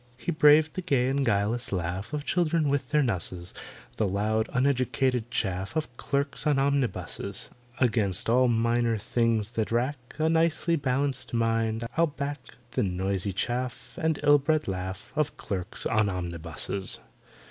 He braved the gay and guileless laugh Of children with their nusses, The loud uneducated chaff Of clerks on omnibuses. Against all minor things that rack A nicely balanced mind, I'll back The noisy chaff And ill bred laugh Of clerks on omnibuses.